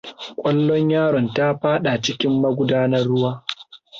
Ƙwallon yaron ta faɗa cikin magudanar ruwa.